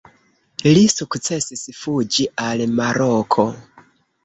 Li sukcesis fuĝi al Maroko.